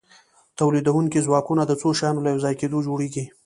تولیدونکي ځواکونه د څو شیانو له یوځای کیدو جوړیږي.